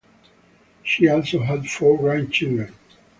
She also had four grandchildren.